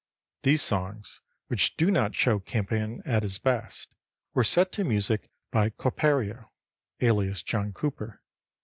These songs, which do not show Campion at his best, were set to music by Copario (alias John Cooper).